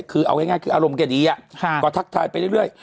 คือเอาง่ายคืออารมณ์แกดีก็ทักทายไปเรื่อย